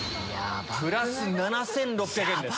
プラス７６００円です。